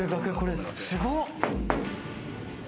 すごっ！